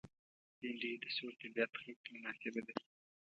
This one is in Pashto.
بېنډۍ د سوړ طبیعت خلکو ته مناسبه ده